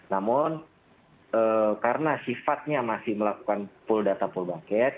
namun karena sifatnya masih melakukan pool data pool bucket